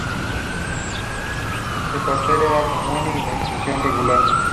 El papel era común y la impresión regular.